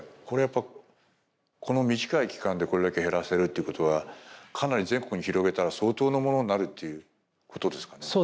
これやっぱこの短い期間でこれだけ減らせるということはかなり全国に広げたら相当のものになるということですかね？